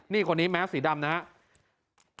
นี่คนนี้แมสสีดำนะครับ